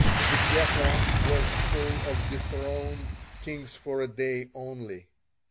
The Ghetto was full of dethroned "kings for a day only."